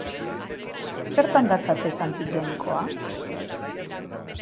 Zertan datza test antigenikoa?